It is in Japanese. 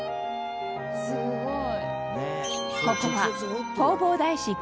すごい！